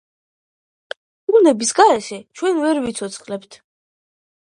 ბუნების გარეშე ჩვენ ვერ ვიცოცხლებთ